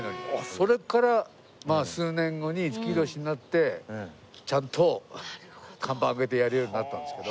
それから数年後に五木ひろしになってちゃんと看板上げてやるようになったんですけど。